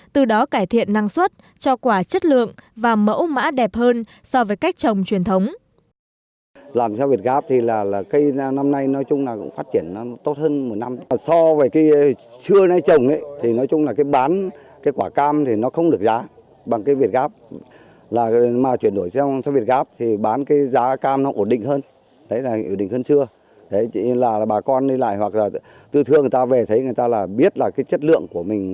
từ đó cải thiện năng suất cho quả chất lượng và mẫu mã đẹp hơn so với cách trồng truyền thống